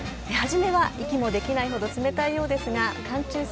初めは息もできないほど冷たいようですが、寒中